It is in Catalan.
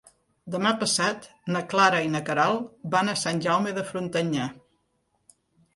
Demà passat na Clara i na Queralt van a Sant Jaume de Frontanyà.